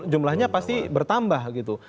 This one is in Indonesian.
jumlahnya pasti bertambah gitu